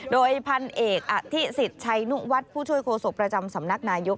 โดยพันธุ์เอกที่ศิษย์ชัยนุวัฒน์ผู้ช่วยโครโศกประจำสำนักนายก